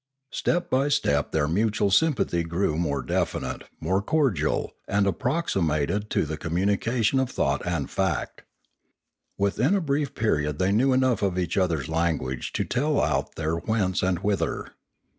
Step by step their mutual sympathy grew more definite, more cordial, and approximated to the com munication of thought and fact. Within a brief period they knew enough of each other's language to tell out their whence and whither.